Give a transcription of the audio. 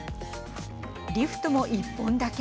リフトも１本だけ。